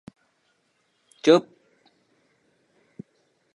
চলিতে চলিতে চরণ শ্রান্ত, দেহ দুর্বল হইয়া আসিতে লাগিল।